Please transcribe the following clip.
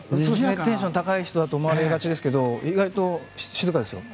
テンション高い人だと思われがちですけど意外と静かですよ。